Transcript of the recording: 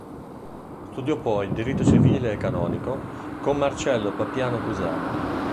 Studiò poi diritto civile e canonico con Marcello Papiniano Cusano.